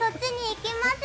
行きます！